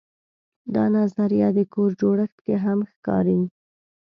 دا نظریه د کور جوړښت کې هم ښکاري.